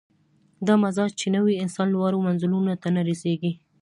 دا مزاج چې نه وي، انسان لوړو منزلونو ته نه رسېږي.